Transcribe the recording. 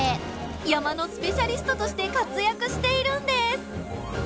山のスペシャリストとして活躍しているんです。